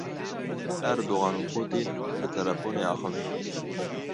Erdogan û Putin bi telefonê axivîn.